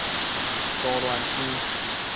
鵝鑾鼻